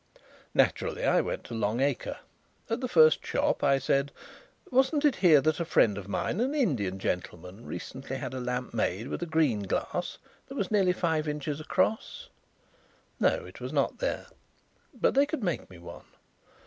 Naturally I went to Long Acre. At the first shop I said: 'Wasn't it here that a friend of mine, an Indian gentleman, recently had a lamp made with a green glass that was nearly five inches across?' No, it was not there but they could make me one.